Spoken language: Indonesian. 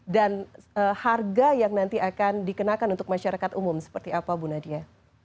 dan harga yang nanti akan dikenakan untuk masyarakat umum seperti apa bu nadia